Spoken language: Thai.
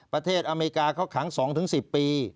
อเมริกาเขาขัง๒๑๐ปี